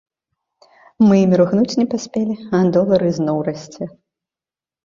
Мы і міргнуць не паспелі, а долар ізноў расце!